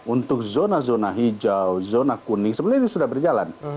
untuk zona zona hijau zona kuning sebenarnya ini sudah berjalan